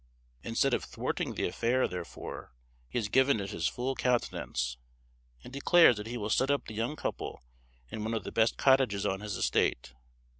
Instead of thwarting the affair, therefore, he has given it his full countenance; and declares that he will set up the young couple in one of the best cottages on his estate.